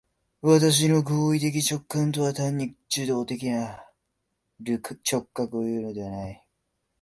私の行為的直観とは単に受働的なる直覚をいうのではない。